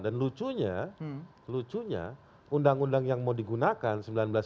dan lucunya lucunya undang undang yang mau digunakan seribu sembilan ratus sembilan belas